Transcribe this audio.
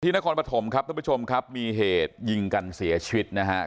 ที่นครปฐมครับทุกผู้ชมครับมีเหตุยิงกันเสียชวิตน์นะครับ